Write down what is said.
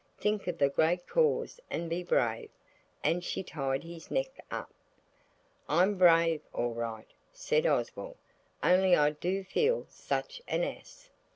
"Think of the great cause and be brave," and she tied his neck up. "I'm brave all right," said Oswald, "only I do feel such an ass."